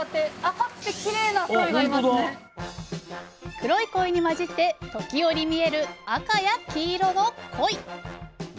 黒いコイにまじって時折見える赤や黄色のコイ。